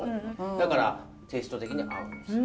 だからテースト的に合うんですよ。